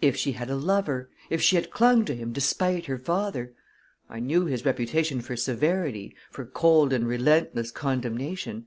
If she had a lover, if she had clung to him despite her father! I knew his reputation for severity, for cold and relentless condemnation.